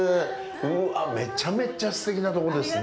うわあ、めちゃめちゃすてきなところですね。